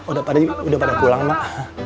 udah pada pulang mak